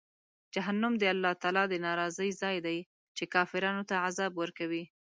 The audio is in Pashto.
جهنم د الله تعالی د ناراضۍ ځای دی، چې کافرانو ته عذاب ورکوي.